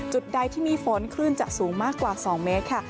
จุดใดที่มีฝนคลื่นจะสูงมากกว่า๒เมตรค่ะ